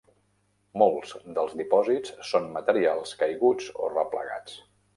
Molts dels dipòsits són materials caiguts o replegats.